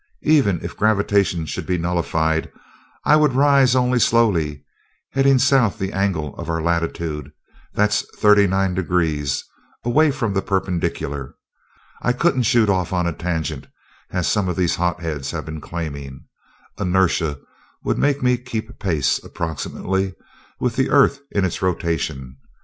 Even if gravitation should be nullified, I would rise only slowly, heading south the angle of our latitude that's thirty nine degrees away from the perpendicular. I couldn't shoot off on a tangent, as some of these hot heads have been claiming. Inertia would make me keep pace, approximately, with the earth in its rotation.